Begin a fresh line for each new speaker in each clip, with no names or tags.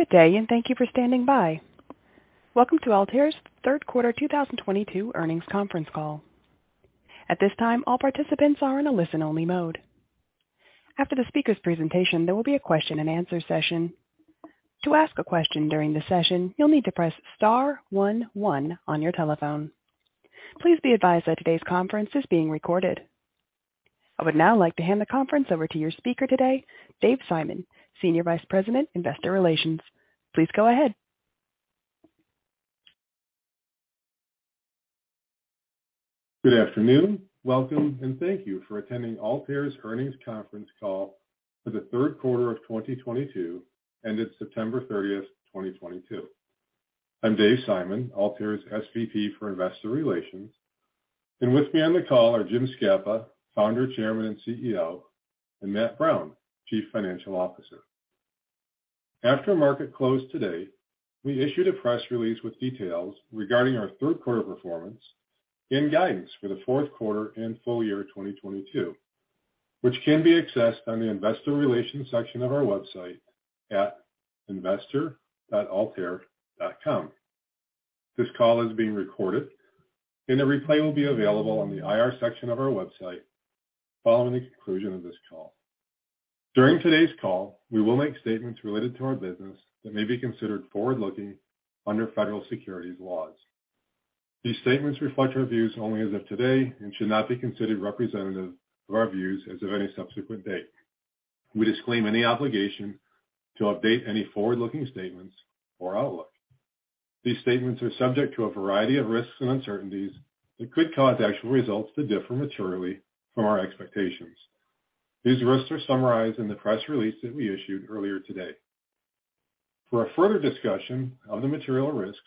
Good day, and thank you for standing by. Welcome to Altair's Q3 2022 earnings conference call. At this time, all participants are in a listen-only mode. After the speaker's presentation, there will be a question-and-answer session. To ask a question during the session, you'll need to press star one one on your telephone. Please be advised that today's conference is being recorded. I would now like to hand the conference over to your speaker today, Dave Simon, Senior Vice President, Investor Relations. Please go ahead.
Good afternoon, welcome, and thank you for attending Altair's earnings conference call for the Q3 of 2022, ended September 30, 2022. I'm Dave Simon, Altair's SVP for Investor Relations, and with me on the call are Jim Scapa, Founder, Chairman, and CEO, and Matt Brown, Chief Financial Officer. After market closed today, we issued a press release with details regarding our Q3 performance and guidance for the Q4 and full year 2022, which can be accessed on the investor relations section of our website at investor.altair.com. This call is being recorded, and a replay will be available on the IR section of our website following the conclusion of this call. During today's call, we will make statements related to our business that may be considered forward-looking under federal securities laws. These statements reflect our views only as of today and should not be considered representative of our views as of any subsequent date. We disclaim any obligation to update any forward-looking statements or outlook. These statements are subject to a variety of risks and uncertainties that could cause actual results to differ materially from our expectations. These risks are summarized in the press release that we issued earlier today. For a further discussion of the material risks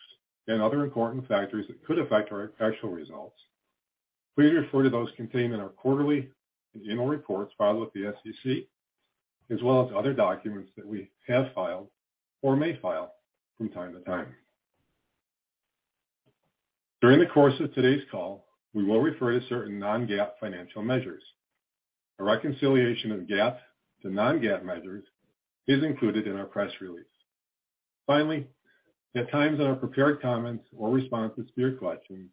and other important factors that could affect our actual results, please refer to those contained in our quarterly and annual reports filed with the SEC, as well as other documents that we have filed or may file from time to time. During the course of today's call, we will refer to certain non-GAAP financial measures. A reconciliation of GAAP to non-GAAP measures is included in our press release. Finally, at times in our prepared comments or response to specific questions,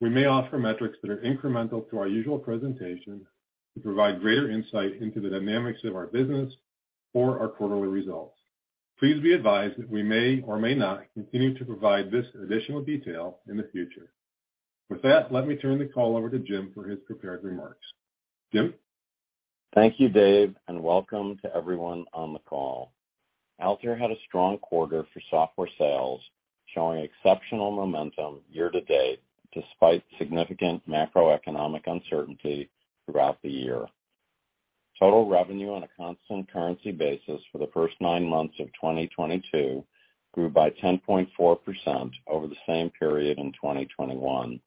we may offer metrics that are incremental to our usual presentation to provide greater insight into the dynamics of our business or our quarterly results. Please be advised that we may or may not continue to provide this additional detail in the future. With that, let me turn the call over to Jim for his prepared remarks. Jim?
Thank you, Dave, and welcome to everyone on the call. Altair had a strong quarter for software sales, showing exceptional momentum year to date despite significant macroeconomic uncertainty throughout the year. Total revenue on a constant currency basis for the first nine months of 2022 grew by 10.4% over the same period in 2021.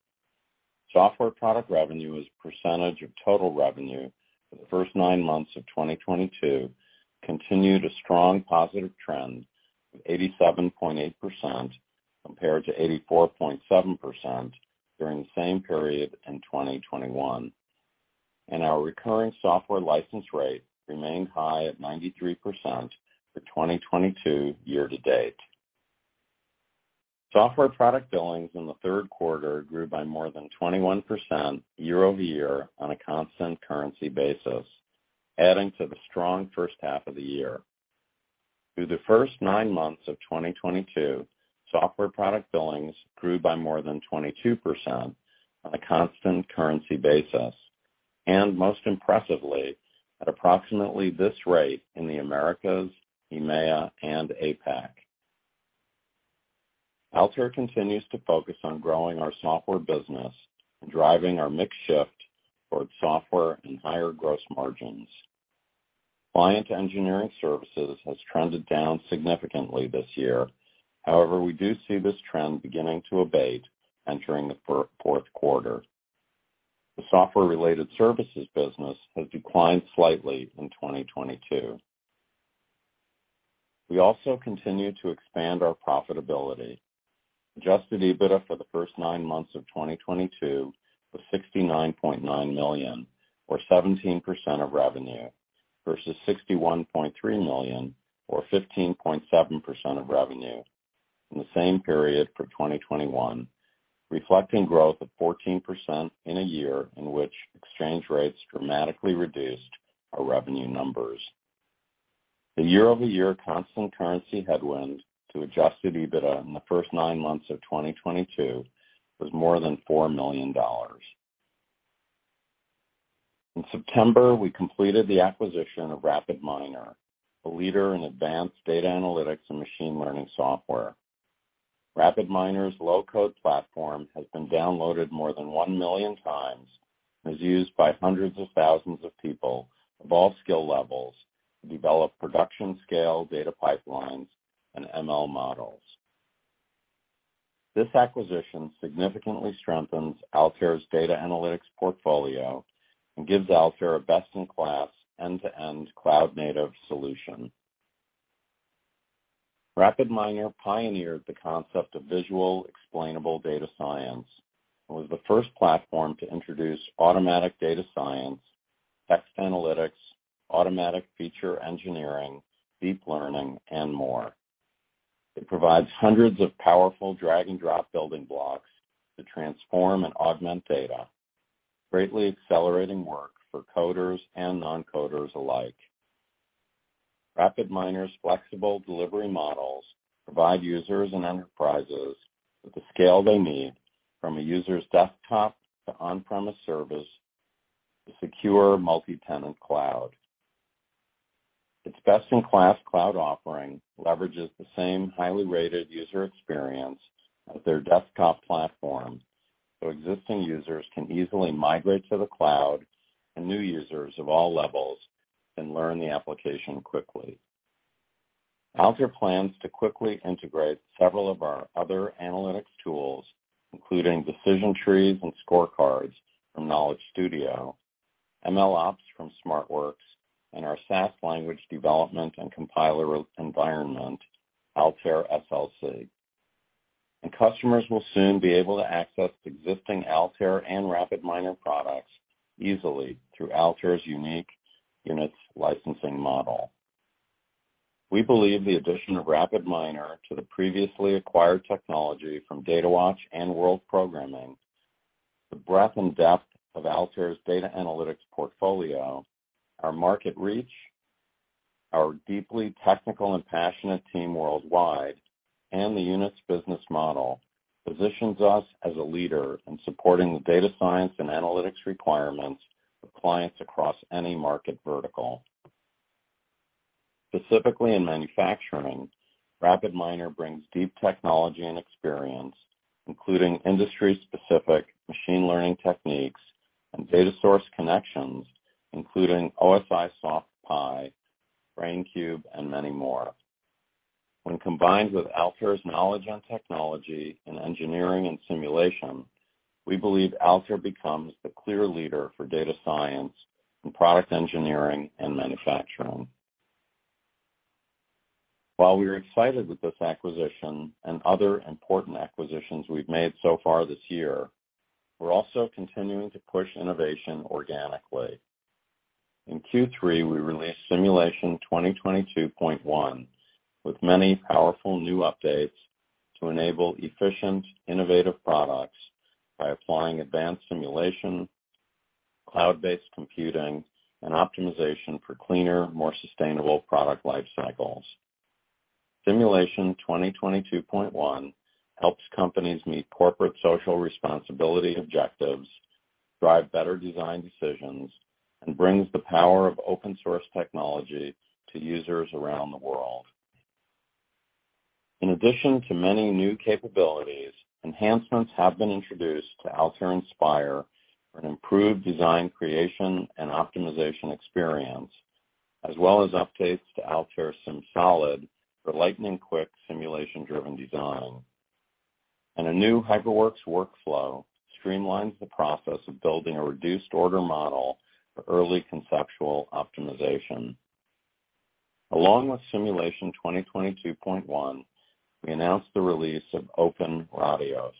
Software product revenue as a percentage of total revenue for the first nine months of 2022 continued a strong positive trend of 87.8% compared to 84.7% during the same period in 2021. Our recurring software license rate remained high at 93% for 2022 year to date. Software product billings in the Q3 grew by more than 21% year-over-year on a constant currency basis, adding to the strong first half of the year. Through the first nine months of 2022, software product billings grew by more than 22% on a constant currency basis, and most impressively, at approximately this rate in the Americas, EMEA, and APAC. Altair continues to focus on growing our software business and driving our mix shift towards software and higher gross margins. Client engineering services has trended down significantly this year. However, we do see this trend beginning to abate entering the fourth quarter. The software-related services business has declined slightly in 2022. We also continue to expand our profitability. Adjusted EBITDA for the first nine months of 2022 was $69.9 million or 17% of revenue versus $61.3 million or 15.7% of revenue in the same period for 2021, reflecting growth of 14% in a year in which exchange rates dramatically reduced our revenue numbers. The year-over-year constant currency headwind to adjusted EBITDA in the first nine months of 2022 was more than $4 million. In September, we completed the acquisition of RapidMiner, a leader in advanced data analytics and machine learning software. RapidMiner's low-code platform has been downloaded more than 1 million times and is used by hundreds of thousands of people of all skill levels to develop production-scale data pipelines and ML models. This acquisition significantly strengthens Altair's data analytics portfolio and gives Altair a best-in-class end-to-end cloud-native solution. RapidMiner pioneered the concept of visual explainable data science and was the first platform to introduce automatic data science text analytics, automatic feature engineering, deep learning, and more. It provides hundreds of powerful drag-and-drop building blocks to transform and augment data, greatly accelerating work for coders and non-coders alike. RapidMiner's flexible delivery models provide users and enterprises with the scale they need from a user's desktop to on-premise service to secure multi-tenant cloud. Its best-in-class cloud offering leverages the same highly rated user experience of their desktop platform, so existing users can easily migrate to the cloud, and new users of all levels can learn the application quickly. Altair plans to quickly integrate several of our other analytics tools, including decision trees and scorecards from Knowledge Studio, MLOps from SmartWorks, and our SAS language development and compiler environment, Altair SLC. Customers will soon be able to access existing Altair and RapidMiner products easily through Altair's unique units licensing model. We believe the addition of RapidMiner to the previously acquired technology from Datawatch and World Programming, the breadth and depth of Altair's data analytics portfolio, our market reach, our deeply technical and passionate team worldwide, and the units business model positions us as a leader in supporting the data science and analytics requirements of clients across any market vertical. Specifically in manufacturing, RapidMiner brings deep technology and experience, including industry-specific machine learning techniques and data source connections, including OSIsoft PI, Braincube, and many more. When combined with Altair's knowledge on technology and engineering and simulation, we believe Altair becomes the clear leader for data science in product engineering and manufacturing. While we're excited with this acquisition and other important acquisitions we've made so far this year, we're also continuing to push innovation organically. In Q3, we released Simulation 2022.1 with many powerful new updates to enable efficient, innovative products by applying advanced simulation, cloud-based computing, and optimization for cleaner, more sustainable product life cycles. Simulation 2022.1 helps companies meet corporate social responsibility objectives, drive better design decisions, and brings the power of open source technology to users around the world. In addition to many new capabilities, enhancements have been introduced to Altair Inspire for an improved design creation and optimization experience, as well as updates to Altair SimSolid for lightning-quick simulation-driven design. A new HyperWorks workflow streamlines the process of building a reduced order model for early conceptual optimization. Along with Simulation 2022.1, we announced the release of OpenRadioss.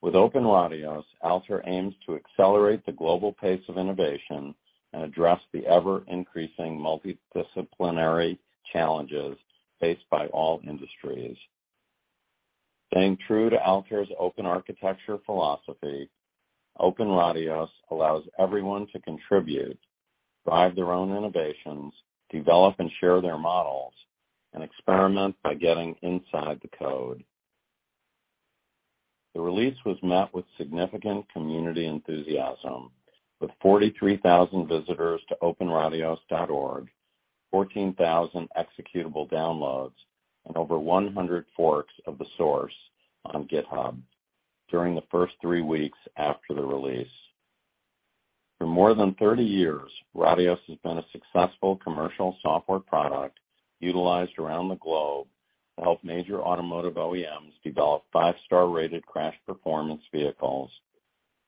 With OpenRadioss, Altair aims to accelerate the global pace of innovation and address the ever-increasing multidisciplinary challenges faced by all industries. Staying true to Altair's open architecture philosophy, OpenRadioss allows everyone to contribute, drive their own innovations, develop and share their models, and experiment by getting inside the code. The release was met with significant community enthusiasm, with 43,000 visitors to openradioss.org, 14,000 executable downloads, and over 100 forks of the source on GitHub during the first three weeks after the release. For more than 30 years, Radioss has been a successful commercial software product utilized around the globe to help major automotive OEMs develop five-star rated crash performance vehicles,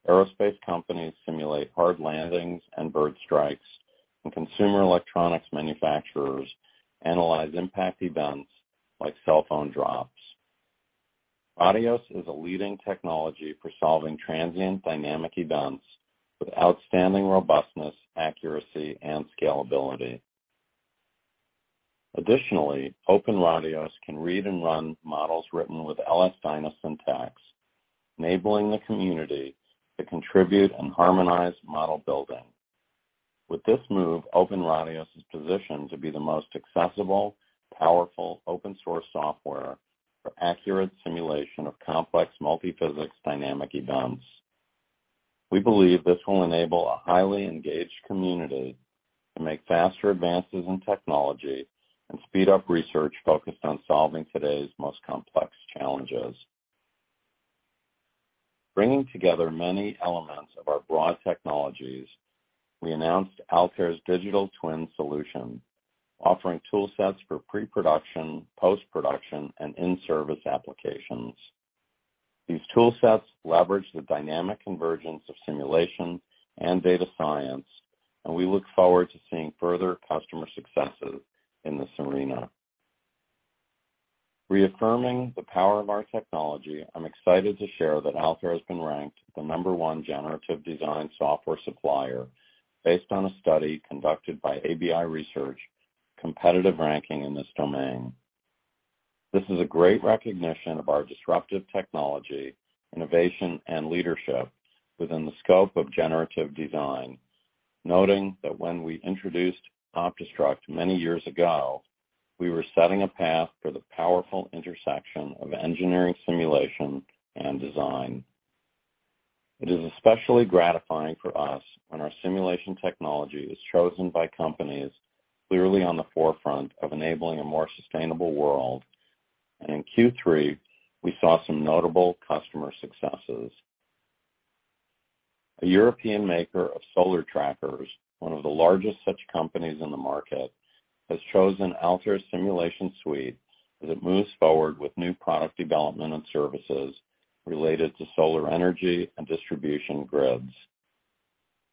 aerospace companies simulate hard landings and bird strikes, and consumer electronics manufacturers analyze impact events like cell phone drops. Radioss is a leading technology for solving transient dynamic events with outstanding robustness, accuracy, and scalability. Additionally, OpenRadioss can read and run models written with LS-DYNA syntax, enabling the community to contribute and harmonize model building. With this move, OpenRadioss is positioned to be the most accessible, powerful open-source software for accurate simulation of complex multiphysics dynamic events. We believe this will enable a highly engaged community to make faster advances in technology and speed up research focused on solving today's most complex challenges. Bringing together many elements of our broad technologies, we announced Altair's Digital Twin solution, offering tool sets for pre-production, post-production, and in-service applications. These tool sets leverage the dynamic convergence of simulation and data science, and we look forward to seeing further customer successes in this arena. Reaffirming the power of our technology, I'm excited to share that Altair has been ranked the number one generative design software supplier based on a study conducted by ABI Research, competitive ranking in this domain. This is a great recognition of our disruptive technology, innovation, and leadership within the scope of generative design. Noting that when we introduced OptiStruct many years ago, we were setting a path for the powerful intersection of engineering simulation and design. It is especially gratifying for us when our simulation technology is chosen by companies clearly on the forefront of enabling a more sustainable world. In Q3, we saw some notable customer successes. A European maker of solar trackers, one of the largest such companies in the market, has chosen Altair's simulation suite as it moves forward with new product development and services related to solar energy and distribution grids.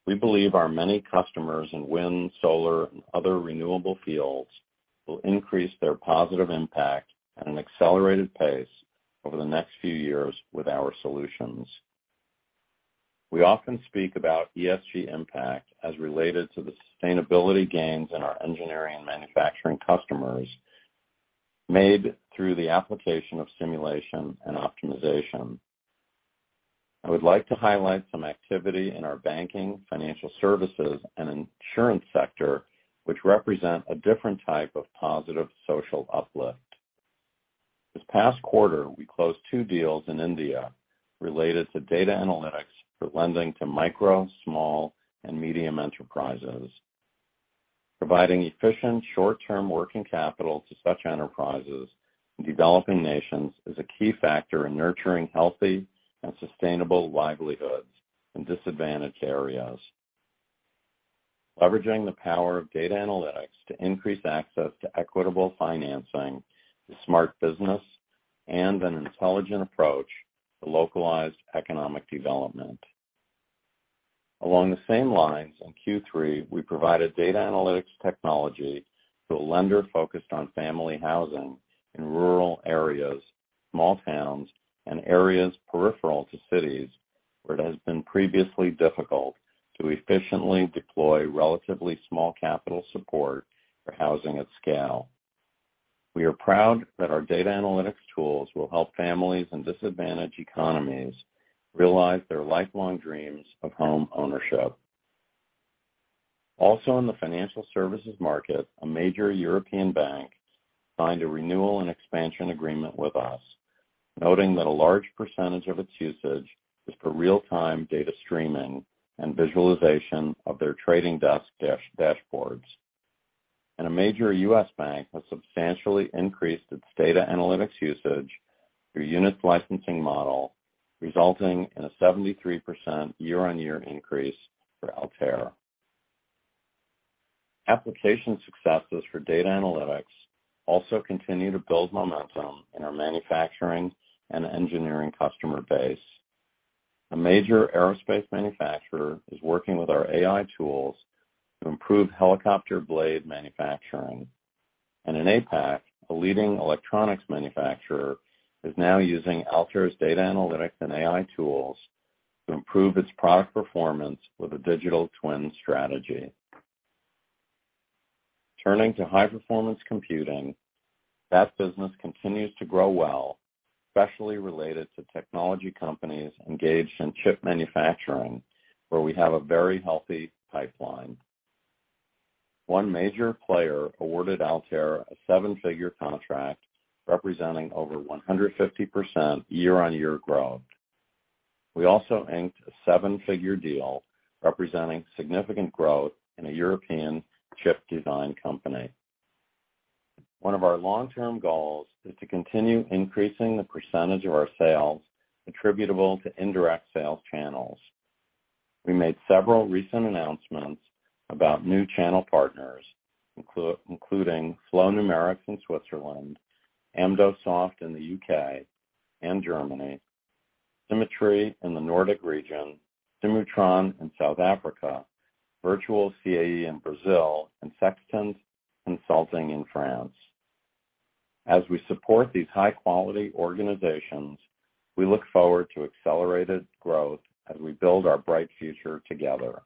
We believe our many customers in wind, solar, and other renewable fields will increase their positive impact at an accelerated pace over the next few years with our solutions. We often speak about ESG impact as related to the sustainability gains in our engineering and manufacturing customers made through the application of simulation and optimization. I would like to highlight some activity in our banking, financial services, and insurance sector, which represent a different type of positive social uplift. This past quarter, we closed two deals in India related to data analytics for lending to micro, small, and medium enterprises. Providing efficient short-term working capital to such enterprises in developing nations is a key factor in nurturing healthy and sustainable livelihoods in disadvantaged areas. Leveraging the power of data analytics to increase access to equitable financing is smart business and an intelligent approach to localized economic development. Along the same lines, in Q3, we provided data analytics technology to a lender focused on family housing in rural areas, small towns, and areas peripheral to cities where it has been previously difficult to efficiently deploy relatively small capital support for housing at scale. We are proud that our data analytics tools will help families in disadvantaged economies realize their lifelong dreams of homeownership. Also in the financial services market, a major European bank signed a renewal and expansion agreement with us, noting that a large percentage of its usage is for real-time data streaming and visualization of their trading desk dashboards. A major U.S. bank has substantially increased its data analytics usage through units licensing model, resulting in a 73% year-on-year increase for Altair. Application successes for data analytics also continue to build momentum in our manufacturing and engineering customer base. A major aerospace manufacturer is working with our AI tools to improve helicopter blade manufacturing. In APAC, a leading electronics manufacturer is now using Altair's data analytics and AI tools to improve its product performance with a Digital Twin strategy. Turning to high-performance computing, that business continues to grow well, especially related to technology companies engaged in chip manufacturing, where we have a very healthy pipeline. One major player awarded Altair a seven-figure contract representing over 150% year-on-year growth. We also inked a seven-figure deal representing significant growth in a European chip design company. One of our long-term goals is to continue increasing the percentage of our sales attributable to indirect sales channels. We made several recent announcements about new channel partners, including Flow Numerics in Switzerland, AmdoSoft in the U.K. and Germany, Symetri in the Nordic region, Simutron in South Africa, VirtualCAE in Brazil, and Sextant Consulting in France. As we support these high-quality organizations, we look forward to accelerated growth as we build our bright future together.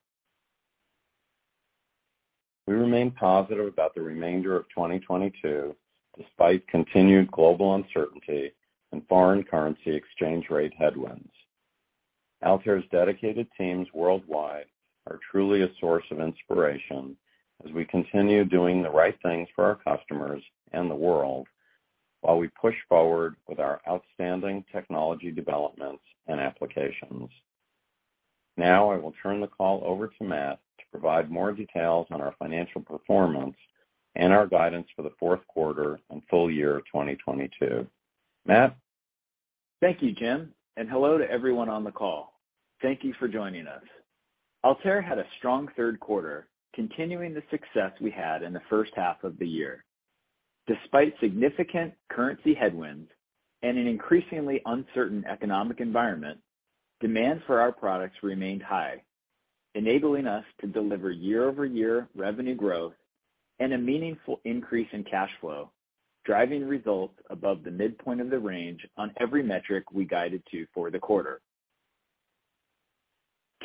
We remain positive about the remainder of 2022, despite continued global uncertainty and foreign currency exchange rate headwinds. Altair's dedicated teams worldwide are truly a source of inspiration as we continue doing the right things for our customers and the world while we push forward with our outstanding technology developments and applications. Now I will turn the call over to Matt to provide more details on our financial performance and our guidance for the fourth quarter and full year of 2022. Matt?
Thank you, Jim, and hello to everyone on the call. Thank you for joining us. Altair had a strong Q3, continuing the success we had in the first half of the year. Despite significant currency headwinds and an increasingly uncertain economic environment, demand for our products remained high, enabling us to deliver year-over-year revenue growth and a meaningful increase in cash flow, driving results above the midpoint of the range on every metric we guided to for the quarter.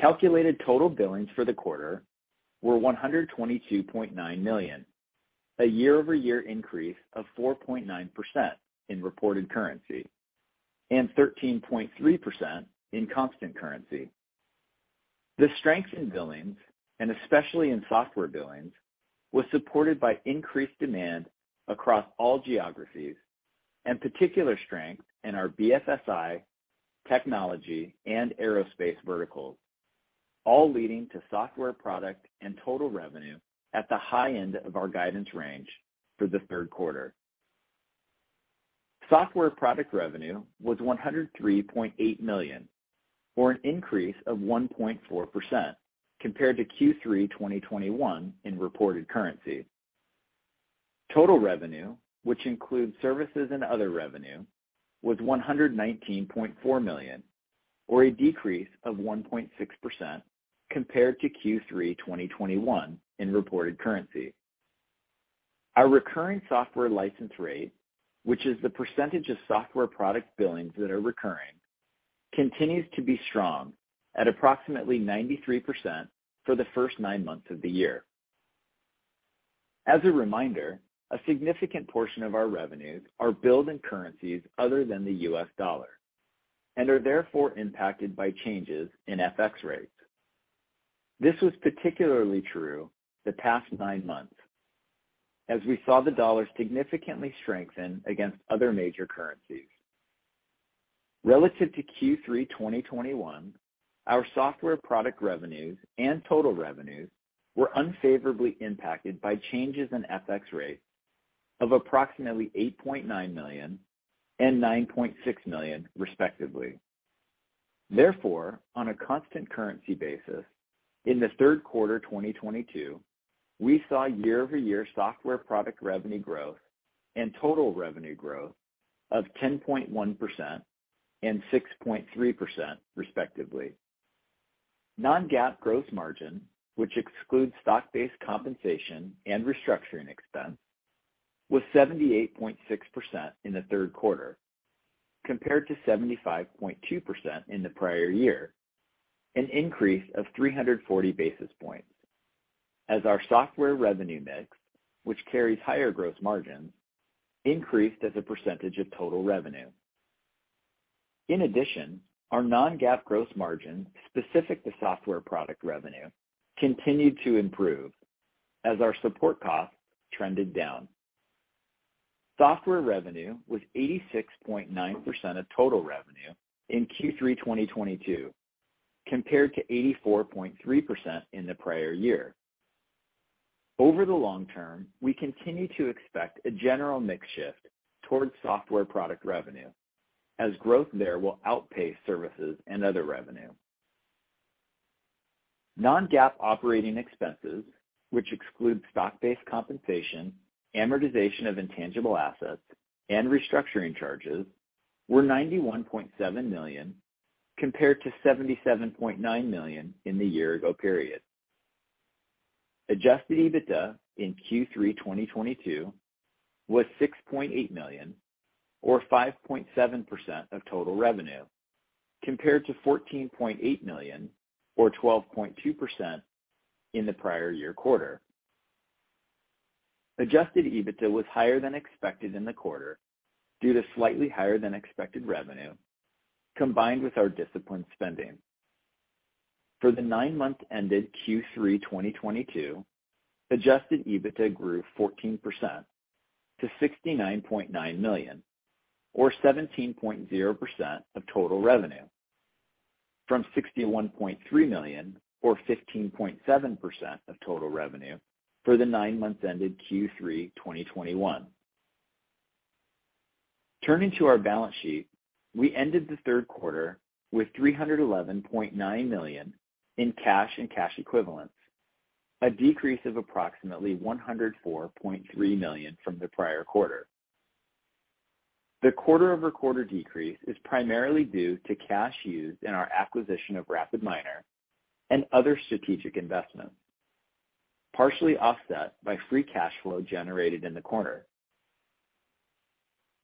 Calculated total billings for the quarter were $122.9 million, a year-over-year increase of 4.9% in reported currency, and 13.3% in constant currency. The strength in billings, and especially in software billings, was supported by increased demand across all geographies and particular strength in our BFSI, technology, and aerospace verticals, all leading to software product and total revenue at the high end of our guidance range for the Q3. Software product revenue was $103.8 million, or an increase of 1.4% compared to Q3 2021 in reported currency. Total revenue, which includes services and other revenue, was $119.4 million, or a decrease of 1.6% compared to Q3 2021 in reported currency. Our recurring software license rate, which is the percentage of software product billings that are recurring, continues to be strong at approximately 93% for the first nine months of the year. As a reminder, a significant portion of our revenues are billed in currencies other than the US dollar, and are therefore impacted by changes in FX rates. This was particularly true the past nine months, as we saw the dollar significantly strengthen against other major currencies. Relative to Q3 2021, our software product revenues and total revenues were unfavorably impacted by changes in FX rates of approximately $8.9 million and $9.6 million respectively. Therefore, on a constant currency basis, in the Q3 2022, we saw year-over-year software product revenue growth and total revenue growth of 10.1% and 6.3% respectively. Non-GAAP gross margin, which excludes stock-based compensation and restructuring expense, was 78.6% in the Q3 compared to 75.2% in the prior year, an increase of 340 basis points as our software revenue mix, which carries higher gross margin, increased as a percentage of total revenue. In addition, our non-GAAP gross margin specific to software product revenue continued to improve as our support costs trended down. Software revenue was 86.9% of total revenue in Q3 2022 compared to 84.3% in the prior year. Over the long term, we continue to expect a general mix shift towards software product revenue as growth there will outpace services and other revenue. Non-GAAP operating expenses, which exclude stock-based compensation, amortization of intangible assets, and restructuring charges, were $91.7 million compared to $77.9 million in the year-ago period. Adjusted EBITDA in Q3 2022 was $6.8 million or 5.7% of total revenue compared to $14.8 million or 12.2% in the prior year quarter. Adjusted EBITDA was higher than expected in the quarter due to slightly higher than expected revenue combined with our disciplined spending. For the nine months ended Q3 2022, adjusted EBITDA grew 14% to $69.9 million or 17.0% of total revenue from $61.3 million or 15.7% of total revenue for the nine months ended Q3 2021. Turning to our balance sheet, we ended the Q3 with $311.9 million in cash and cash equivalents, a decrease of approximately $104.3 million from the prior quarter. The quarter-over-quarter decrease is primarily due to cash used in our acquisition of RapidMiner and other strategic investments, partially offset by free cash flow generated in the quarter.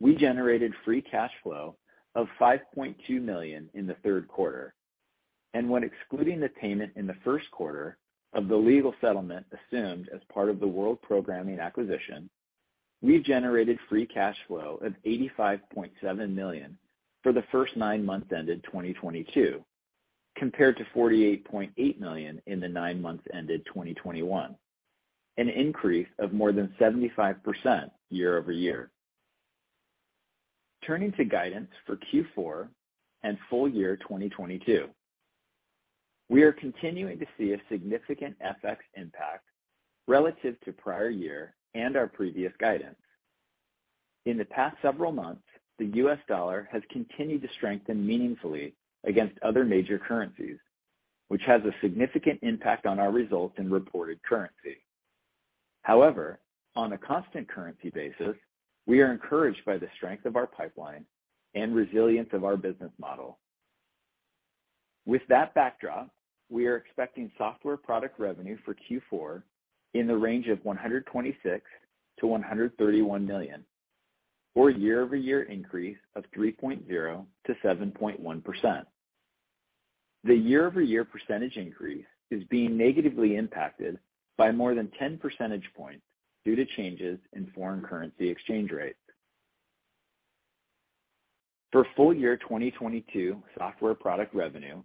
We generated free cash flow of $5.2 million in the Q3. When excluding the payment in the Q1 of the legal settlement assumed as part of the World Programming acquisition, we generated free cash flow of $85.7 million for the first nine months ended 2022 compared to $48.8 million in the nine months ended 2021, an increase of more than 75% year-over-year. Turning to guidance for Q4 and full year 2022. We are continuing to see a significant FX impact relative to prior year and our previous guidance. In the past several months, the US dollar has continued to strengthen meaningfully against other major currencies, which has a significant impact on our results in reported currency. However, on a constant currency basis, we are encouraged by the strength of our pipeline and resilience of our business model. With that backdrop, we are expecting software product revenue for Q4 in the range of $126 million-$131 million, or year-over-year increase of 3.0%-7.1%. The year-over-year percentage increase is being negatively impacted by more than 10 percentage points due to changes in foreign currency exchange rates. For full year 2022 software product revenue,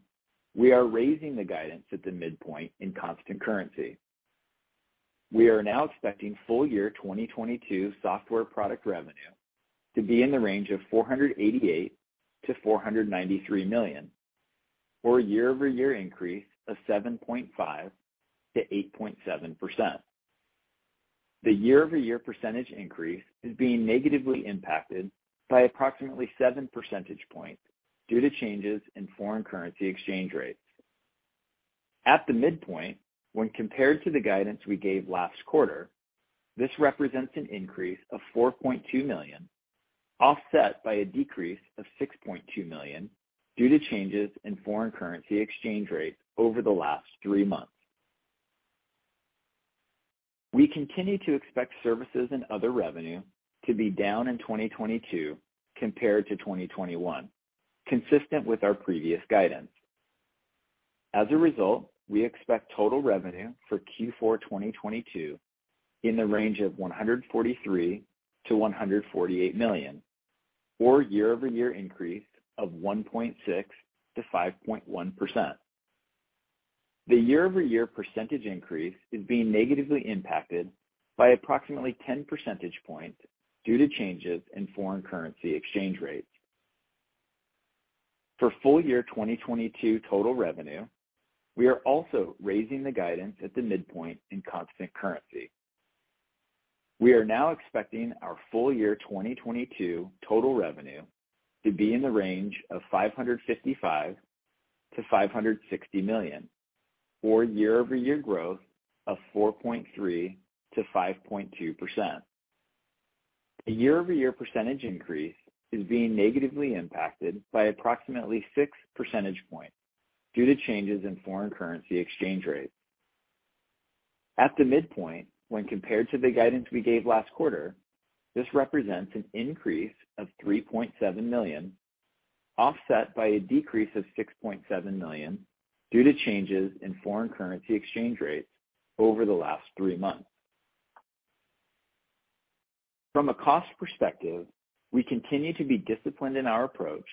we are raising the guidance at the midpoint in constant currency. We are now expecting full year 2022 software product revenue to be in the range of $488 million-$493 million, or a year-over-year increase of 7.5%-8.7%. The year-over-year percentage increase is being negatively impacted by approximately seven percentage points due to changes in foreign currency exchange rates. At the midpoint, when compared to the guidance we gave last quarter, this represents an increase of $4.2 million, offset by a decrease of $6.2 million due to changes in foreign currency exchange rates over the last three months. We continue to expect services and other revenue to be down in 2022 compared to 2021, consistent with our previous guidance. As a result, we expect total revenue for Q4 2022 in the range of $143 million-$148 million, or year-over-year increase of 1.6%-5.1%. The year-over-year percentage increase is being negatively impacted by approximately 10 percentage points due to changes in foreign currency exchange rates. For full year 2022 total revenue, we are also raising the guidance at the midpoint in constant currency. We are now expecting our full year 2022 total revenue to be in the range of $555 million-$560 million, or year-over-year growth of 4.3%-5.2%. The year-over-year percentage increase is being negatively impacted by approximately 6 percentage points due to changes in foreign currency exchange rates. At the midpoint, when compared to the guidance we gave last quarter, this represents an increase of $3.7 million, offset by a decrease of $6.7 million due to changes in foreign currency exchange rates over the last three months. From a cost perspective, we continue to be disciplined in our approach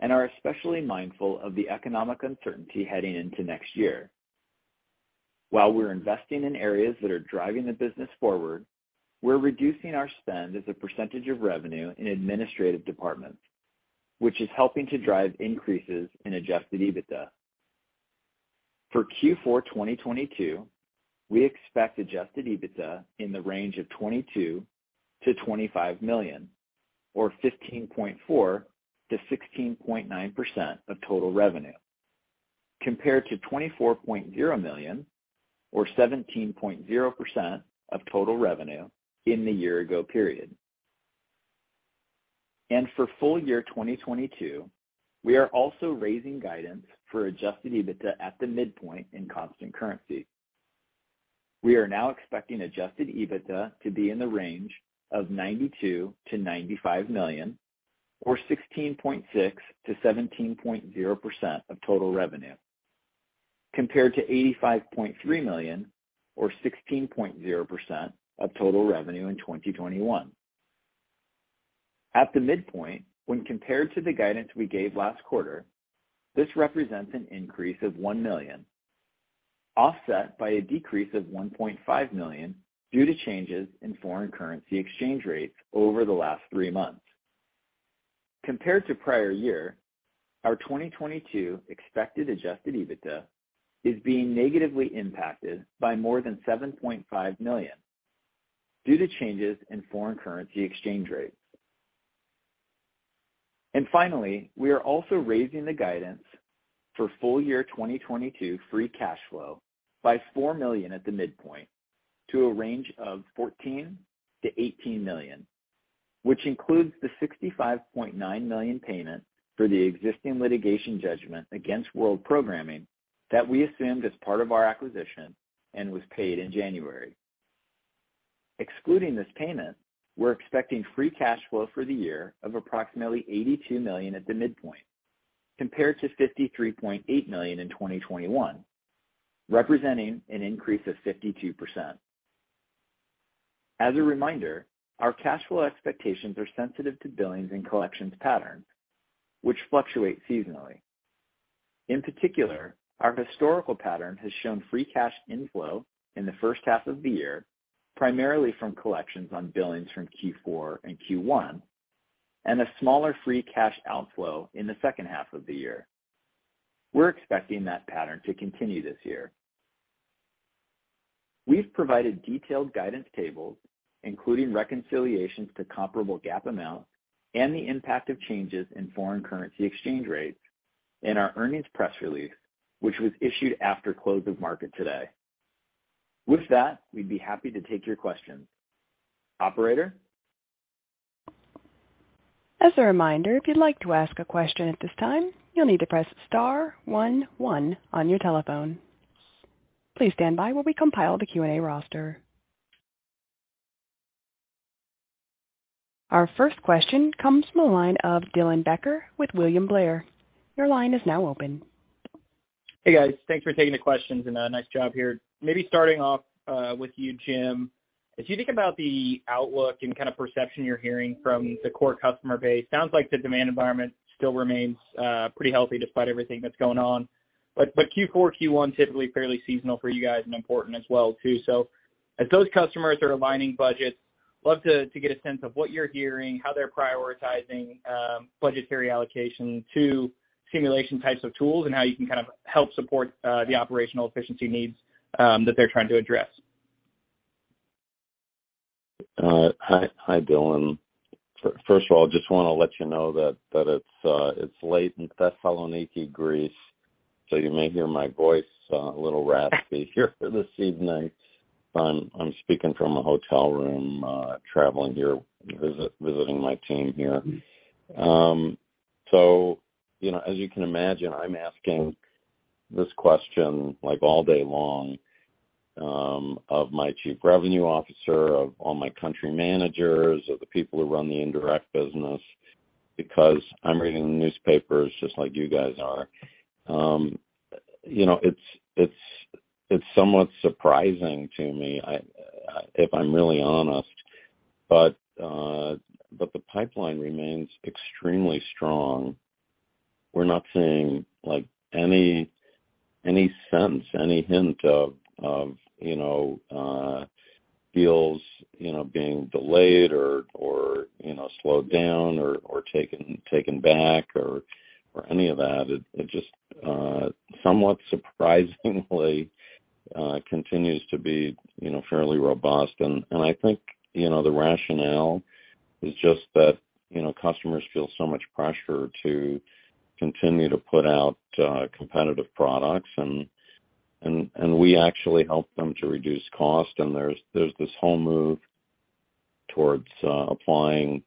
and are especially mindful of the economic uncertainty heading into next year. While we're investing in areas that are driving the business forward, we're reducing our spend as a percentage of revenue in administrative departments, which is helping to drive increases in adjusted EBITDA. For Q4 2022, we expect adjusted EBITDA in the range of $22 million-$25 million or 15.4%-16.9% of total revenue, compared to $24.0 million or 17.0% of total revenue in the year ago period. For full year 2022, we are also raising guidance for adjusted EBITDA at the midpoint in constant currency. We are now expecting adjusted EBITDA to be in the range of $92 million-$95 million or 16.6%-17.0% of total revenue, compared to $85.3 million or 16.0% of total revenue in 2021. At the midpoint, when compared to the guidance we gave last quarter, this represents an increase of $1 million, offset by a decrease of $1.5 million due to changes in foreign currency exchange rates over the last three months. Compared to prior year, our 2022 expected adjusted EBITDA is being negatively impacted by more than $7.5 million due to changes in foreign currency exchange rates. Finally, we are also raising the guidance for full year 2022 free cash flow by $4 million at the midpoint to a range of $14 million-$18 million, which includes the $65.9 million payment for the existing litigation judgment against World Programming that we assumed as part of our acquisition and was paid in January. Excluding this payment, we're expecting free cash flow for the year of approximately $82 million at the midpoint, compared to $53.8 million in 2021, representing an increase of 52%. As a reminder, our cash flow expectations are sensitive to billings and collections patterns, which fluctuate seasonally. In particular, our historical pattern has shown free cash inflow in the first half of the year, primarily from collections on billings from Q4 and Q1, and a smaller free cash outflow in the second half of the year. We're expecting that pattern to continue this year. We've provided detailed guidance tables, including reconciliations to comparable GAAP amounts and the impact of changes in foreign currency exchange rates. In our earnings press release, which was issued after close of market today. With that, we'd be happy to take your questions. Operator?
As a reminder, if you'd like to ask a question at this time, you'll need to press star one one on your telephone. Please stand by while we compile the Q&A roster. Our first question comes from the line of Dylan Becker with William Blair. Your line is now open.
Hey, guys. Thanks for taking the questions and nice job here. Maybe starting off with you, Jim. As you think about the outlook and kind of perception you're hearing from the core customer base, sounds like the demand environment still remains pretty healthy despite everything that's going on. Q4, Q1 typically fairly seasonal for you guys and important as well too. As those customers are aligning budgets, love to get a sense of what you're hearing, how they're prioritizing budgetary allocation to simulation types of tools, and how you can kind of help support the operational efficiency needs that they're trying to address.
Hi. Hi, Dylan. First of all, just wanna let you know that it's late in Thessaloniki, Greece, so you may hear my voice a little raspy here this evening. I'm speaking from a hotel room, traveling here, visiting my team here. You know, as you can imagine, I'm asking this question like all day long of my chief revenue officer, of all my country managers, of the people who run the indirect business, because I'm reading the newspapers just like you guys are. You know, it's somewhat surprising to me, if I'm really honest, but the pipeline remains extremely strong. We're not seeing like any sense, any hint of, you know, deals, you know, being delayed or, you know, slowed down or taken back or any of that. It just somewhat surprisingly continues to be, you know, fairly robust. I think, you know, the rationale is just that, you know, customers feel so much pressure to continue to put out competitive products and we actually help them to reduce cost. There's this whole move towards applying,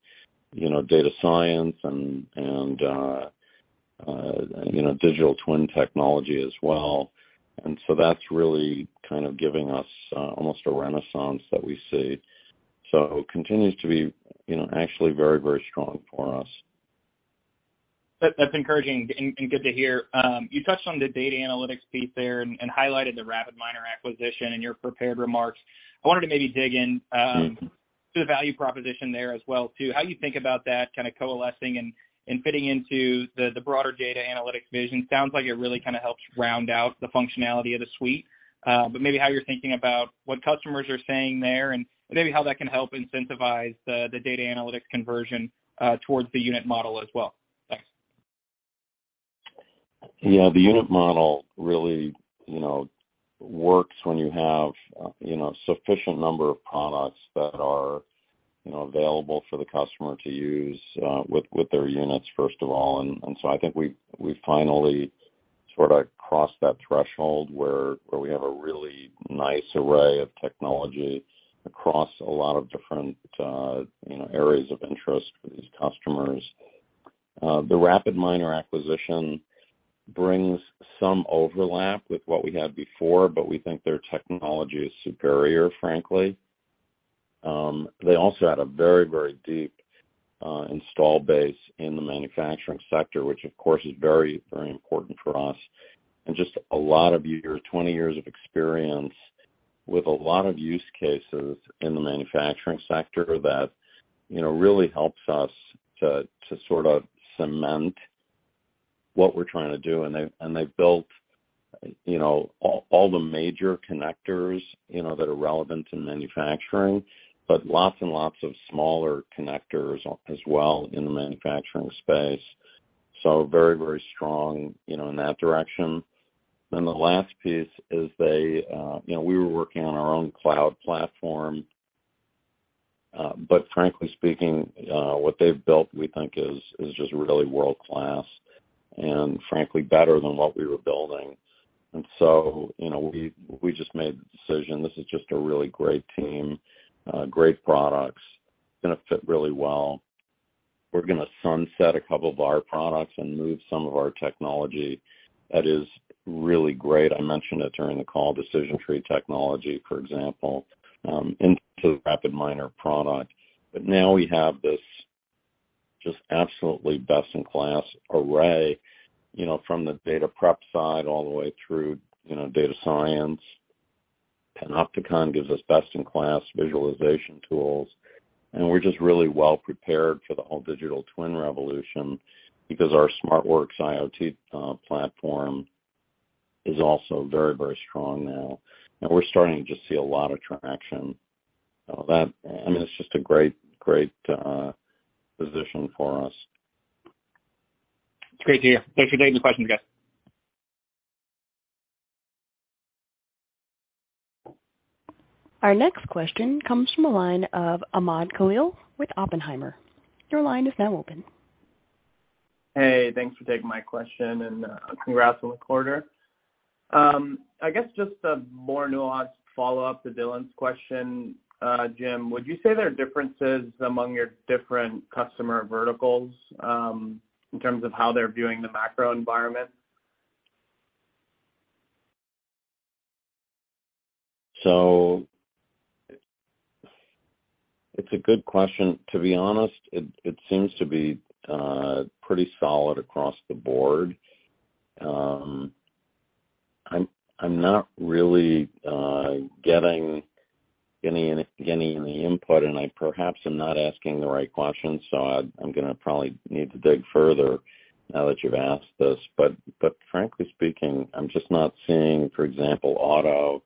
you know, data science and you know, digital twin technology as well. That's really kind of giving us almost a renaissance that we see. It continues to be, you know, actually very strong for us.
That, that's encouraging and good to hear. You touched on the data analytics piece there and highlighted the RapidMiner acquisition in your prepared remarks. I wanted to maybe dig in to the value proposition there as well too. How you think about that kind of coalescing and fitting into the broader data analytics vision. Sounds like it really kind of helps round out the functionality of the suite. Maybe how you're thinking about what customers are saying there and maybe how that can help incentivize the data analytics conversion towards the unit model as well. Thanks.
Yeah. The unit model really, you know, works when you have, you know, sufficient number of products that are, you know, available for the customer to use, with their units first of all. So I think we finally sort of crossed that threshold where we have a really nice array of technology across a lot of different, you know, areas of interest for these customers. The RapidMiner acquisition brings some overlap with what we had before, but we think their technology is superior, frankly. They also had a very deep install base in the manufacturing sector, which of course is very important for us. Just a lot of years, 20 years of experience with a lot of use cases in the manufacturing sector that, you know, really helps us to sort of cement what we're trying to do. They built, you know, all the major connectors, you know, that are relevant in manufacturing, but lots and lots of smaller connectors as well in the manufacturing space. Very strong, you know, in that direction. The last piece is they, you know, we were working on our own cloud platform, but frankly speaking, what they've built, we think is just really world-class and frankly better than what we were building. We just made the decision, this is just a really great team, great products, gonna fit really well. We're gonna sunset a couple of our products and move some of our technology that is really great. I mentioned it during the call, decision tree technology, for example, into RapidMiner product. Now we have this just absolutely best in class array, you know, from the data prep side all the way through, you know, data science. Panopticon gives us best in class visualization tools, and we're just really well prepared for the whole digital twin revolution because our SmartWorks IoT platform is also very, very strong now, and we're starting to see a lot of traction. That, I mean, it's just a great position for us.
It's great to hear. Thanks for taking the question, guys.
Our next question comes from the line of Ahmad Khalil with Oppenheimer. Your line is now open.
Hey, thanks for taking my question, and congrats on the quarter. I guess just a more nuanced follow-up to Dylan's question, Jim. Would you say there are differences among your different customer verticals, in terms of how they're viewing the macro environment?
It's a good question. To be honest, it seems to be pretty solid across the board. I'm not really getting any input, and I perhaps am not asking the right questions, so I'm gonna probably need to dig further now that you've asked this. But frankly speaking, I'm just not seeing, for example, auto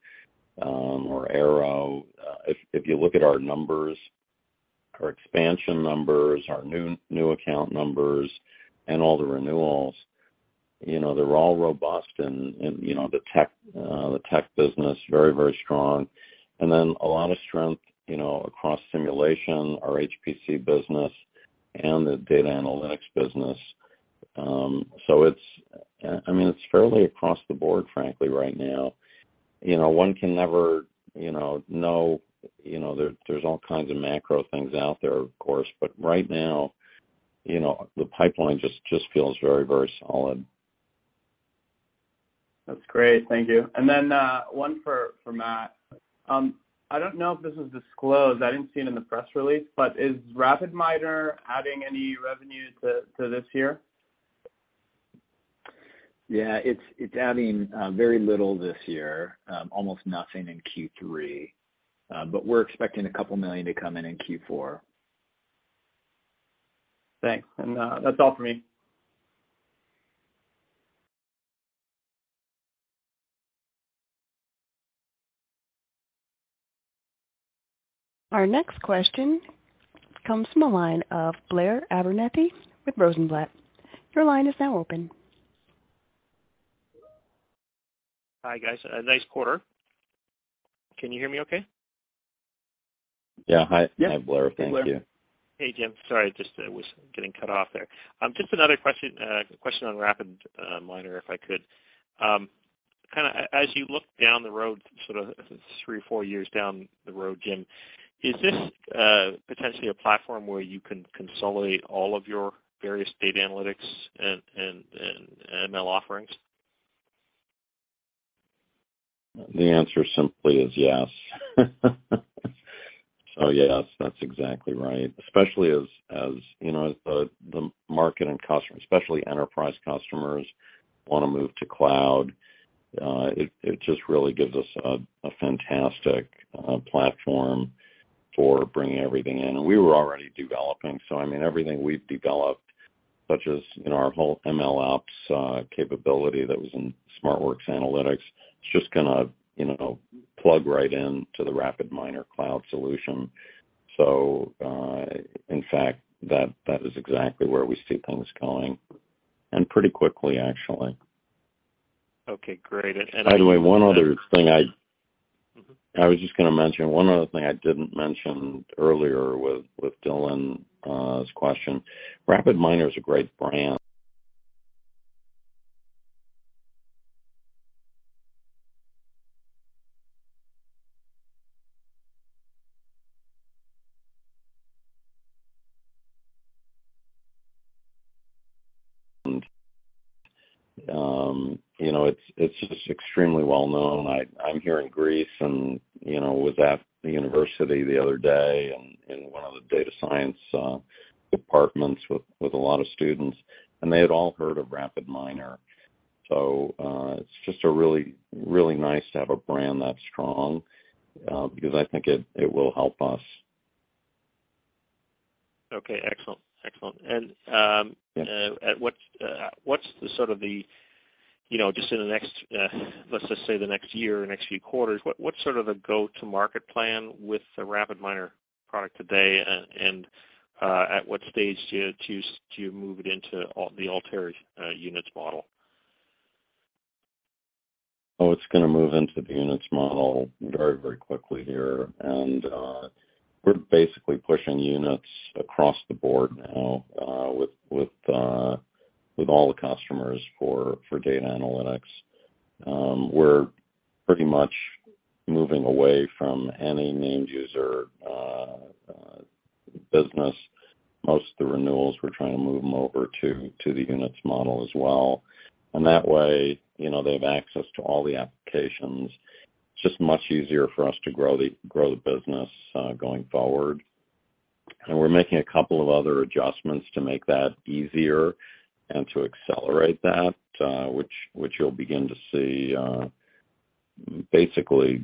or aero. If you look at our numbers, our expansion numbers, our new account numbers and all the renewals, you know, they're all robust and, you know, the tech business, very strong. Then a lot of strength, you know, across simulation, our HPC business and the data analytics business. So it's I mean, it's fairly across the board, frankly, right now. You know, one can never, you know. You know, there's all kinds of macro things out there, of course, but right now, you know, the pipeline just feels very solid.
That's great. Thank you. One for Matt. I don't know if this was disclosed. I didn't see it in the press release, but is RapidMiner adding any revenue to this year?
Yeah, it's adding very little this year, almost nothing in Q3. We're expecting $2 million to come in in Q4.
Thanks. That's all for me.
Our next question comes from the line of Blair Abernethy with Rosenblatt. Your line is now open.
Hi, guys. Nice quarter. Can you hear me okay?
Yeah. Hi.
Yeah.
Hi, Blair. Thank you.
Hey, Jim. Sorry, just was getting cut off there. Just another question on RapidMiner, if I could. Kinda as you look down the road, sort of three or four years down the road, Jim, is this potentially a platform where you can consolidate all of your various data analytics and ML offerings?
The answer simply is yes. Yes, that's exactly right. Especially as you know, as the market and customer, especially enterprise customers, wanna move to cloud, it just really gives us a fantastic platform for bringing everything in. We were already developing, so I mean, everything we've developed, such as you know, our whole MLOps capability that was in SmartWorks Analytics, it's just gonna you know, plug right in to the RapidMiner cloud solution. In fact, that is exactly where we see things going, and pretty quickly, actually.
Okay, great.
By the way, one other thing.
Mm-hmm.
I was just gonna mention one other thing I didn't mention earlier with Dylan's question. RapidMiner is a great brand. You know, it's just extremely well known. I'm here in Greece and you know was at the university the other day and in one of the data science departments with a lot of students, and they had all heard of RapidMiner. It's just really nice to have a brand that strong because I think it will help us.
Okay, excellent.
Yeah.
What's sort of the, you know, just in the next, let's just say the next year or next few quarters, what's sort of the go-to-market plan with the RapidMiner product today? At what stage do you choose to move it into the Altair units model?
Oh, it's gonna move into the units model very, very quickly here. We're basically pushing units across the board now, with all the customers for data analytics. We're pretty much moving away from any named user business. Most of the renewals, we're trying to move them over to the units model as well. That way, you know, they have access to all the applications. It's just much easier for us to grow the business going forward. We're making a couple of other adjustments to make that easier and to accelerate that, which you'll begin to see basically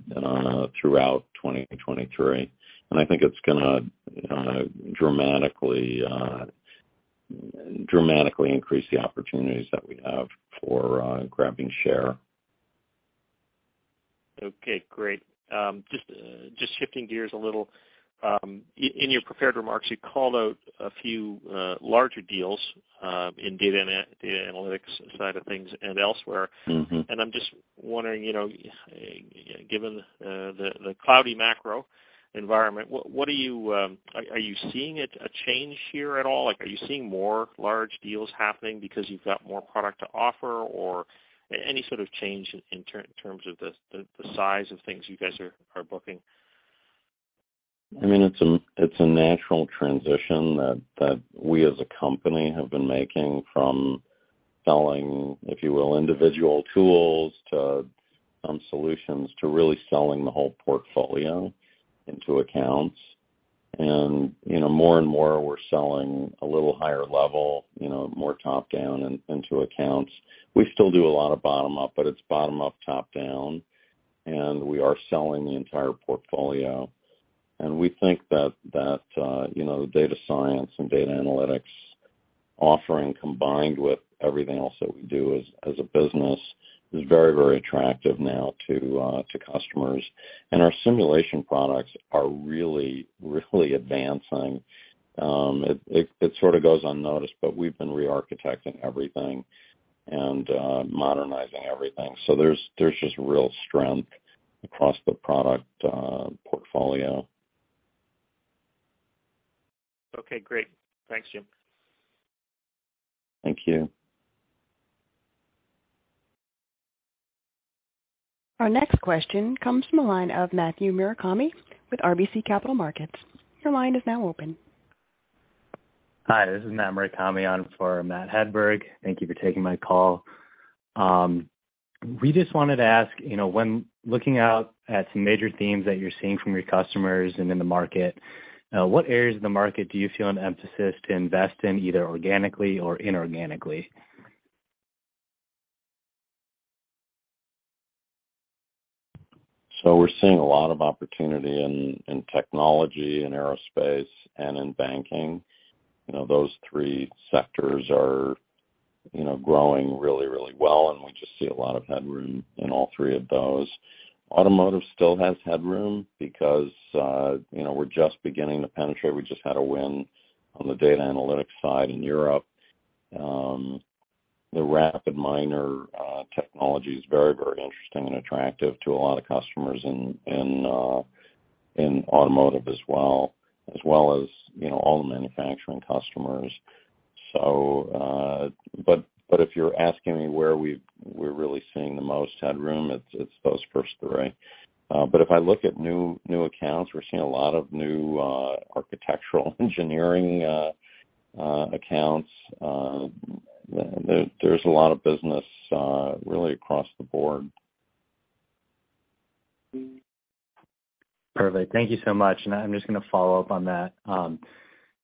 throughout 2023. I think it's gonna dramatically increase the opportunities that we have for grabbing share.
Okay, great. Just shifting gears a little. In your prepared remarks, you called out a few larger deals in data analytics side of things and elsewhere.
Mm-hmm.
I'm just wondering, you know, given the cloudy macro environment, what are you seeing any change here at all? Like, are you seeing more large deals happening because you've got more product to offer or any sort of change in terms of the size of things you guys are booking?
I mean, it's a natural transition that we as a company have been making from selling, if you will, individual tools to solutions, to really selling the whole portfolio into accounts. You know, more and more, we're selling a little higher level, you know, more top down into accounts. We still do a lot of bottom up, but it's bottom up, top down, and we are selling the entire portfolio. We think that you know, the data science and data analytics offering, combined with everything else that we do as a business is very, very attractive now to customers. Our simulation products are really, really advancing. It sort of goes unnoticed, but we've been re-architecting everything and modernizing everything. There's just real strength across the product portfolio.
Okay, great. Thanks, Jim.
Thank you.
Our next question comes from the line of Matt Swanson with RBC Capital Markets. Your line is now open.
Hi, this is Matt Swanson on for Matthew Hedberg. Thank you for taking my call. We just wanted to ask, you know, when looking out at some major themes that you're seeing from your customers and in the market, what areas of the market do you feel an emphasis to invest in, either organically or inorganically?
We're seeing a lot of opportunity in technology and aerospace and in banking. You know, those three sectors are, you know, growing really, really well, and we just see a lot of headroom in all three of those. Automotive still has headroom because, you know, we're just beginning to penetrate. We just had a win on the data analytics side in Europe. The RapidMiner technology is very, very interesting and attractive to a lot of customers in automotive as well as, you know, all the manufacturing customers. But if you're asking me where we're really seeing the most headroom, it's those first three. But if I look at new accounts, we're seeing a lot of new architectural engineering accounts. There's a lot of business really across the board.
Perfect. Thank you so much. I'm just gonna follow up on that.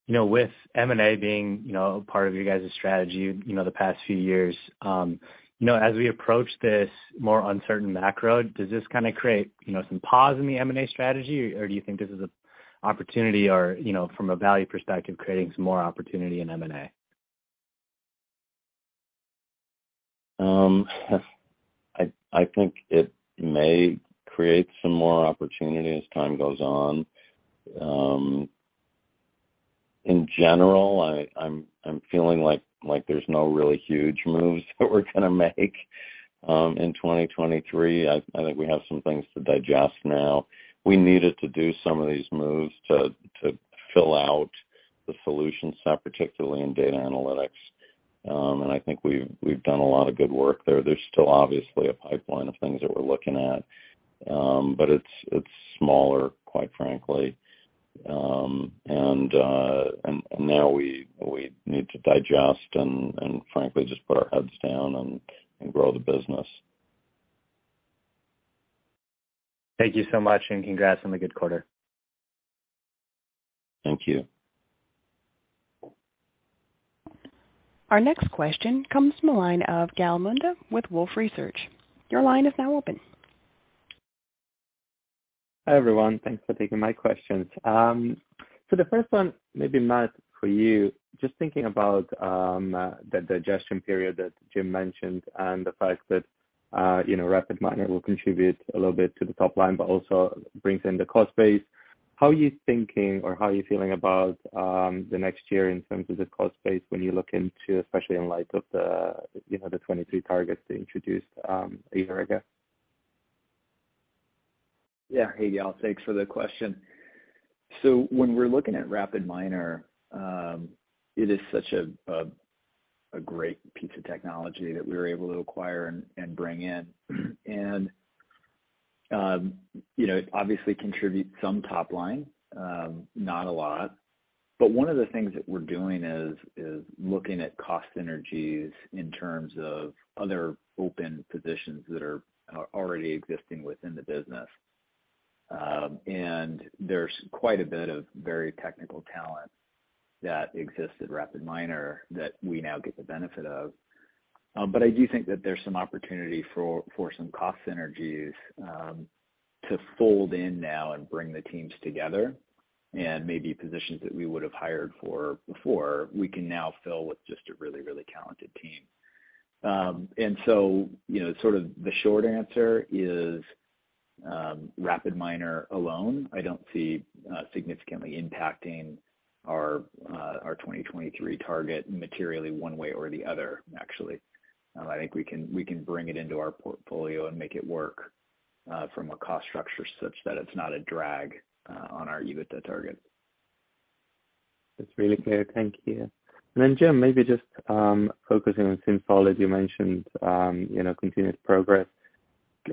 You know, with M&A being, you know, part of your guys' strategy, you know, the past few years, you know, as we approach this more uncertain macro, does this kind of create, you know, some pause in the M&A strategy, or do you think this is an opportunity or, you know, from a value perspective, creating some more opportunity in M&A?
I think it may create some more opportunity as time goes on. In general, I'm feeling like there's no really huge moves that we're gonna make in 2023. I think we have some things to digest now. We needed to do some of these moves to fill out the solution set, particularly in data analytics. I think we've done a lot of good work there. There's still obviously a pipeline of things that we're looking at, but it's smaller, quite frankly. Now we need to digest and frankly, just put our heads down and grow the business.
Thank you so much, and congrats on the good quarter.
Thank you.
Our next question comes from the line of Gal Munda with Wolfe Research. Your line is now open.
Hi, everyone. Thanks for taking my questions. The first one maybe, Matt, for you. Just thinking about the digestion period that Jim mentioned and the fact that you know, RapidMiner will contribute a little bit to the top line but also brings in the cost base. How are you thinking or how are you feeling about the next year in terms of the cost base when you look into, especially in light of the you know, the 2022 targets they introduced a year ago?
Yeah. Hey, Gal. Thanks for the question. When we're looking at RapidMiner, it is such a great piece of technology that we were able to acquire and bring in. You know, it obviously contributes some top line, not a lot. One of the things that we're doing is looking at cost synergies in terms of other open positions that are already existing within the business. There's quite a bit of very technical talent that exists at RapidMiner that we now get the benefit of. I do think that there's some opportunity for some cost synergies to fold in now and bring the teams together. Maybe positions that we would have hired for before, we can now fill with just a really talented team. You know, sort of the short answer is RapidMiner alone, I don't see significantly impacting our 2023 target materially one way or the other, actually. I think we can bring it into our portfolio and make it work from a cost structure such that it's not a drag on our EBITDA target.
That's really clear. Thank you. Jim, maybe just focusing on SimSolid, you mentioned, you know, continuous progress.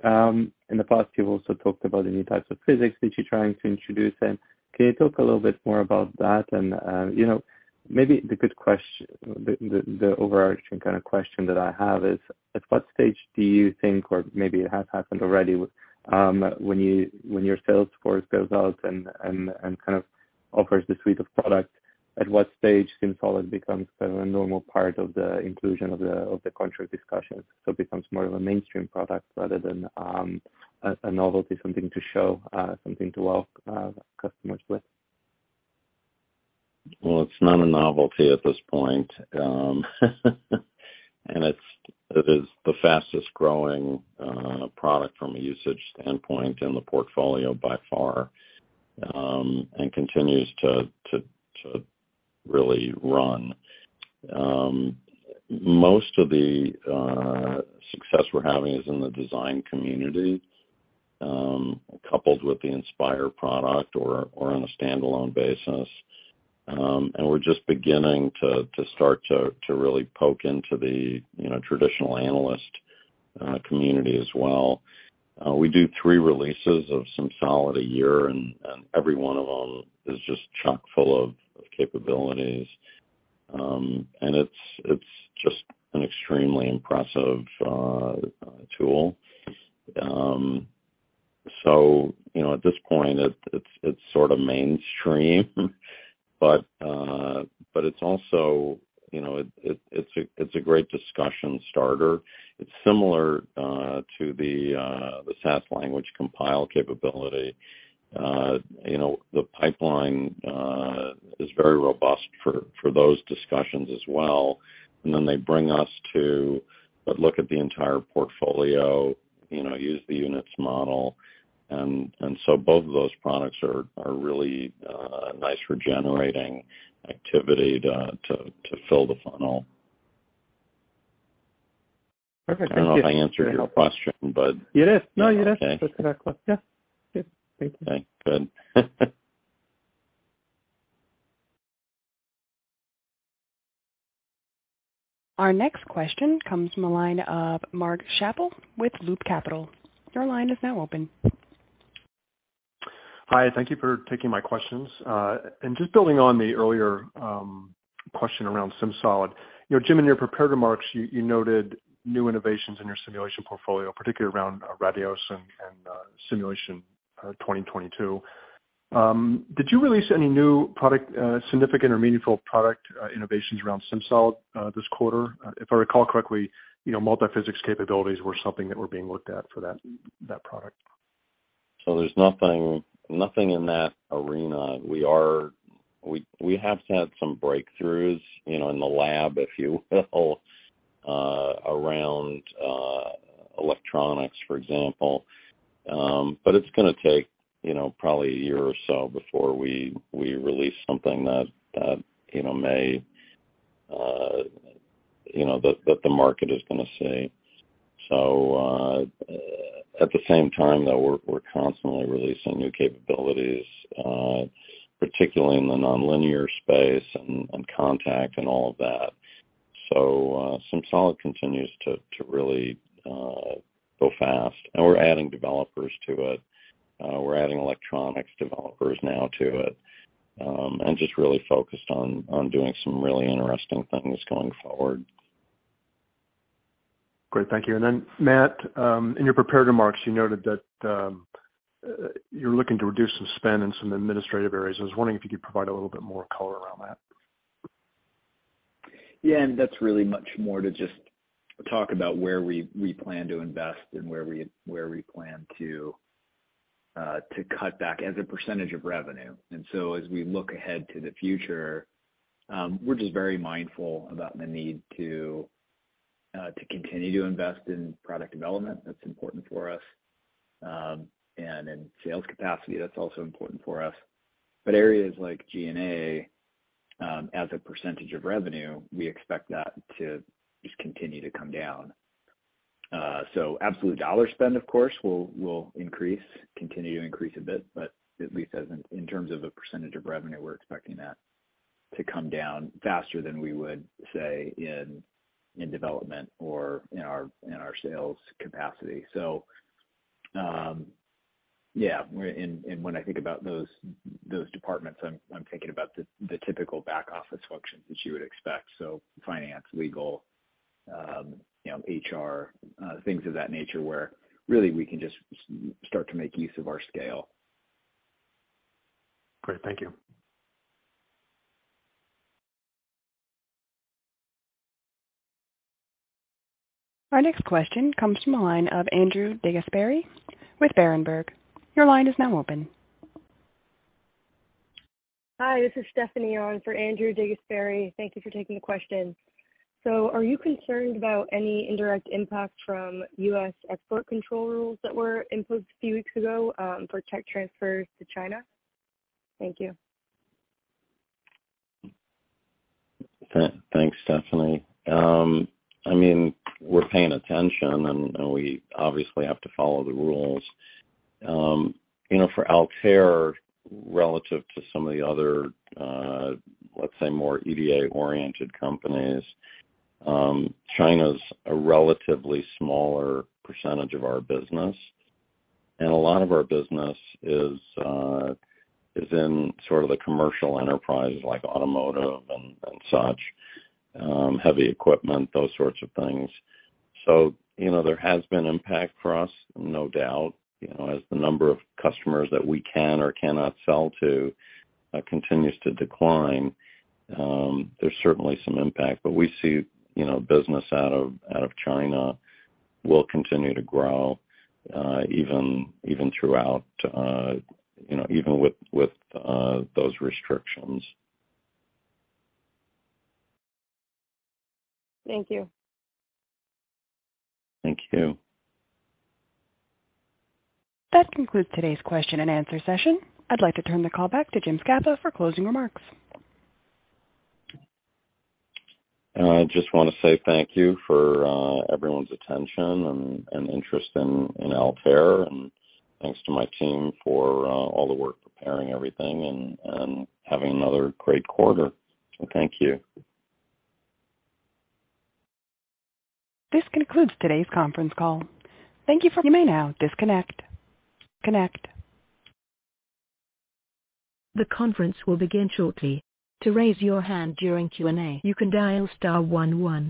In the past, you've also talked about the new types of physics that you're trying to introduce. Can you talk a little bit more about that? You know, maybe the overarching kind of question that I have is, at what stage do you think or maybe it has happened already, when your sales force goes out and kind of offers the suite of products, at what stage SimSolid becomes kind of a normal part of the inclusion of the contract discussions, so it becomes more of a mainstream product rather than a novelty, something to show, something to wow customers with?
Well, it's not a novelty at this point. It is the fastest growing product from a usage standpoint in the portfolio by far, and continues to really run. Most of the success we're having is in the design community, coupled with the Inspire product or on a standalone basis. We're just beginning to start to really poke into the traditional analyst community as well, you know. We do three releases of SimSolid a year, and every one of them is just chock-full of capabilities. It's just an extremely impressive tool. You know, at this point, it's sort of mainstream. It's also a great discussion starter. It's similar to the SAS language compile capability. You know, the pipeline is very robust for those discussions as well. They bring us to look at the entire portfolio, you know, use the units model. Both of those products are really nice for generating activity to fill the funnel.
Perfect. Thank you.
I don't know if I answered your question, but.
You did. No, you did.
Okay.
That's exactly. Yeah. Thank you.
All right. Good.
Our next question comes from the line of Mark Schappel with Loop Capital. Your line is now open.
Hi. Thank you for taking my questions. Just building on the earlier question around SimSolid. You know, Jim, in your prepared remarks, you noted new innovations in your simulation portfolio, particularly around Radioss and simulation 2022. Did you release any new significant or meaningful product innovations around SimSolid this quarter? If I recall correctly, you know, multiphysics capabilities were something that were being looked at for that product.
There's nothing in that arena. We have had some breakthroughs, you know, in the lab, if you will, around electronics, for example. But it's gonna take, you know, probably a year or so before we release something that the market is gonna see. At the same time, though, we're constantly releasing new capabilities, particularly in the nonlinear space and contact and all of that. SimSolid continues to really go fast, and we're adding developers to it. We're adding electronics developers now to it, and just really focused on doing some really interesting things going forward.
Great. Thank you. Matt, in your prepared remarks, you noted that you're looking to reduce some spend in some administrative areas. I was wondering if you could provide a little bit more color around that.
Yeah. That's really much more to just talk about where we plan to invest and where we plan to cut back as a percentage of revenue. As we look ahead to the future, we're just very mindful about the need to continue to invest in product development. That's important for us. In sales capacity, that's also important for us. Areas like G&A, as a percentage of revenue, we expect that to just continue to come down. Absolute dollar spend, of course, will continue to increase a bit, but at least in terms of a percentage of revenue, we're expecting that to come down faster than we would say in development or in our sales capacity. Yeah. When... When I think about those departments, I'm thinking about the typical back office functions that you would expect. Finance, legal, you know, HR, things of that nature, where really we can just start to make use of our scale.
Great. Thank you.
Our next question comes from the line of Andrew DeGasperi with Berenberg. Your line is now open.
Hi, this is Stephanie on for Andrew DeGasperi. Thank you for taking the question. Are you concerned about any indirect impact from U.S. export control rules that were imposed a few weeks ago for tech transfers to China? Thank you.
Thanks, Stephanie. I mean, we're paying attention, and we obviously have to follow the rules. You know, for Altair, relative to some of the other, let's say more EDA-oriented companies, China's a relatively smaller percentage of our business. A lot of our business is in sort of the commercial enterprise like automotive and such, heavy equipment, those sorts of things. You know, there has been impact for us, no doubt, you know, as the number of customers that we can or cannot sell to continues to decline, there's certainly some impact. We see, you know, business out of China will continue to grow even throughout, you know, even with those restrictions.
Thank you.
Thank you.
That concludes today's question and answer session. I'd like to turn the call back to Jim Scapa for closing remarks.
I just wanna say thank you for everyone's attention and interest in Altair. Thanks to my team for all the work preparing everything and having another great quarter. Thank you.
This concludes today's conference call. You may now disconnect. The conference will begin shortly. To raise your hand during Q&A, you can dial star one one.